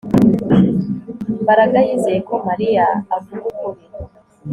Mbaraga yizeye ko Mariya avuga ukuri